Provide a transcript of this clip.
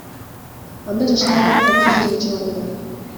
Анда жашагандар коопсуз жерге чыгарылды.